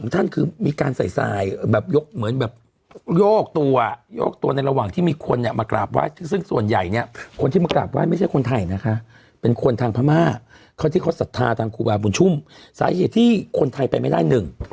ทางพม่าเขาที่เขาศรัทธาทางครูบาบุญชุมสาเหตุที่คนไทยไปไม่ได้หนึ่ง